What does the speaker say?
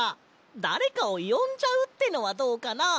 だれかをよんじゃうってのはどうかな？